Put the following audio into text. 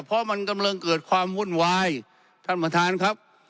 เพราะมันกำลังเกิดความวุ่นวายท่านประธานครับ